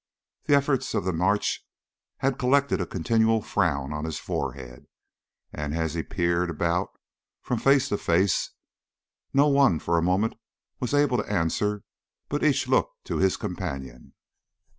The efforts of the march had collected a continual frown on his forehead, and as he peered about from face to face, no one for a moment was able to answer, but each looked to his companion.